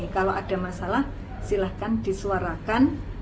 kalau ada masalah silahkan disuarakan